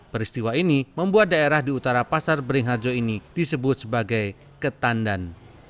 peristiwa ini membuat daerah di utara pasar beringharjo ini disebut sebagai ketandan